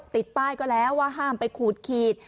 ติดป้ายก็แล้วว่าห้ามไปขูดขีด